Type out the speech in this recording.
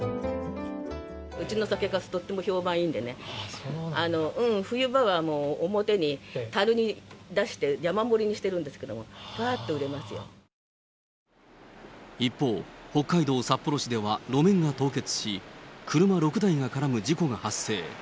うちの酒かす、とっても評判いいんでね、冬場はもう、表に樽に出して山盛りにしてるんですけれども、ばーっと売れます一方、北海道札幌市では路面が凍結し、車６台が絡む事故が発生。